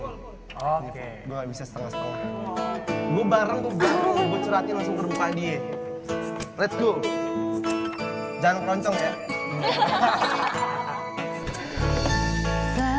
andai ku bisa berkata sejujurnya